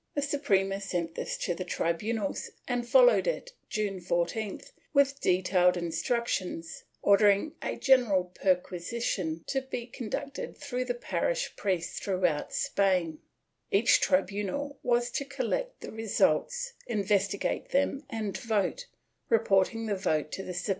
The Suprema sent this to the tribunals and followed it, June 14th, with detailed instructions, ordering a general perquisition to be conducted through the parish priests throughout Spain, Each tribunal was to collect the results, investigate them and vote, reporting the vote to the Suprema.